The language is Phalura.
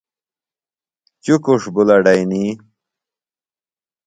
چُکُݜ بُلڈئنی۔